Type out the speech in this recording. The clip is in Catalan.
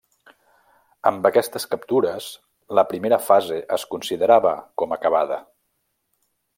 Amb aquestes captures, la primera fase es considerava com acabada.